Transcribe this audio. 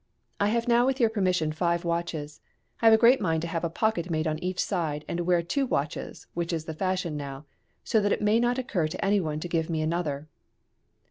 "I have now with your permission five watches. I have a great mind to have a pocket made on each side, and to wear two watches (which is the fashion now) so that it may not occur to any one to give me another."